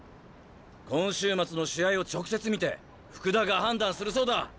今週末の試合を直接見て福田が判断するそうだ。